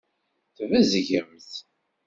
Tbezgemt.